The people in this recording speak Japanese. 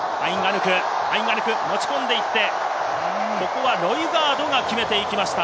ファインガアヌク、持ち込んでいって、ロイガードが決めていきました。